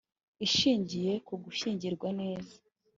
ishingiye ku gushyingiranwa neza